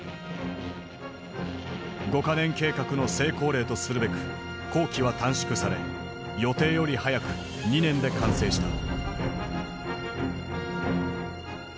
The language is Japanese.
五か年計画の成功例とするべく工期は短縮され予定より早く２年で完成した。